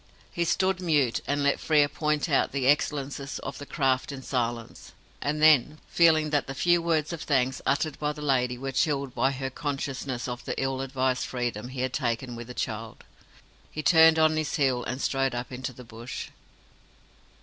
He stood mute, and let Frere point out the excellences of the craft in silence; and then, feeling that the few words of thanks uttered by the lady were chilled by her consciousness of the ill advised freedom he had taken with the child, he turned on his heel, and strode up into the bush.